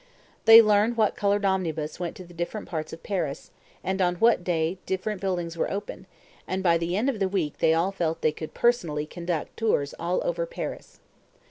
They learned what coloured omnibus went to the different parts of Paris, and on what days different buildings were open, and by the end of the week they all felt they could "personally conduct" tours all over Paris.